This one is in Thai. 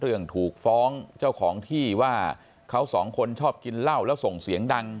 ถูกฟ้องเจ้าของที่ว่าเขาสองคนชอบกินเหล้าแล้วส่งเสียงดัง